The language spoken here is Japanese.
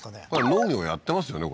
農業やってますよね